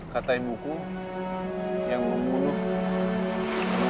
kata ibu ku yang membunuh